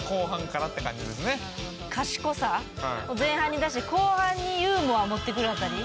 賢さを前半に出して後半にユーモア持ってくる辺り